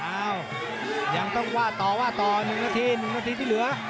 อ้าวยังต้องว่าต่อว่าต่อ๑นาที๑นาทีที่เหลือ